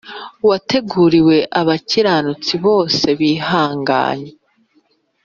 Wateguriwe abakiranutsi bose bihanganye,